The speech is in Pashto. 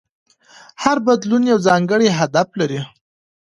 هر بدلون یو ځانګړی هدف لري.